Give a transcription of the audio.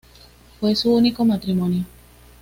Fue su único matrimonio.